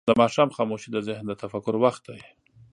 د ماښام خاموشي د ذهن د تفکر وخت دی.